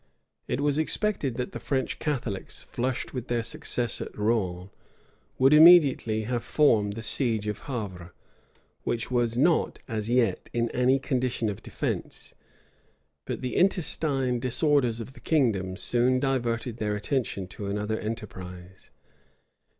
It was expected that the French Catholics, flushed with their success at Rouen, would immediately have formed the siege of Havre, which was not as yet in any condition of defence; but the intestine disorders of the kingdom soon diverted their attention to another enterprise.